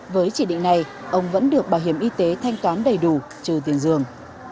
với chỉ định này ông vẫn được bảo hiểm y tế thanh toán đầy đủ trừ tiền dường